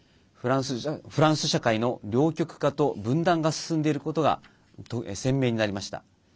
フランス社会の両極化と分断が進んでいることが鮮明になりました。